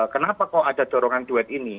kenapa kok ada dorongan duet ini